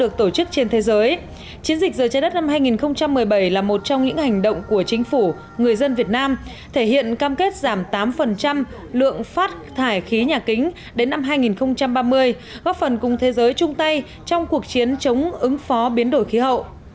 chiến dịch giờ trái đất năm hai nghìn một mươi bảy là một trong những hành động của chính phủ người dân việt nam thể hiện cam kết giảm tám lượng phát thải khí nhà kính đến năm hai nghìn ba mươi góp phần cùng thế giới chung tay trong cuộc chiến chống ứng phó biến đổi khí hậu